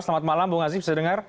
selamat malam bung aziz bisa dengar